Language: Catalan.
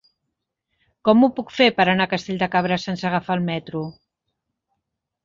Com ho puc fer per anar a Castell de Cabres sense agafar el metro?